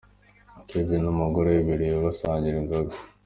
Kevin n’umugore we biriwe basangira inzoga.